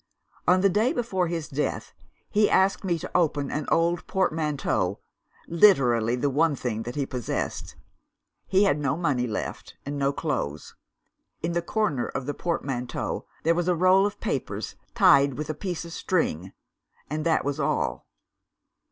"On the day before his death he asked me to open an old portmanteau literally, the one thing that he possessed. He had no money left, and no clothes. In a corner of the portmanteau there was a roll of papers, tied with a piece of string and that was all.